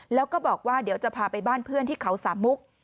แล้วก็บอกว่าเดี๋ยวจะพาไปบ้านเพื่อนที่เขาสามมุก